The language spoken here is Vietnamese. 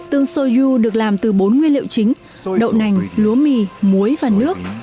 tương soju được làm từ bốn nguyên liệu chính đậu nành lúa mì muối và nước